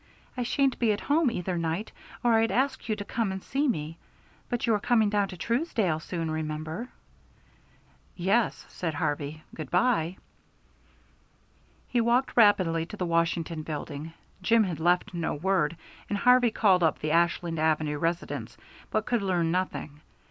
"I shan't be at home either night or I'd ask you to come and see me. But you are coming down to Truesdale soon, remember." "Yes," said Harvey. "Good by." He walked rapidly to the Washington Building. Jim had left no word, and Harvey called up the Ashland Avenue residence, but could learn nothing.